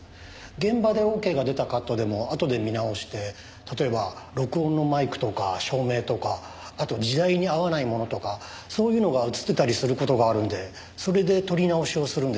現場でオーケーが出たカットでもあとで見直して例えば録音のマイクとか照明とかあと時代に合わないものとかそういうのが映ってたりする事があるのでそれで撮り直しをするんです。